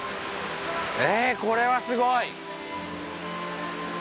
えこれはすごい。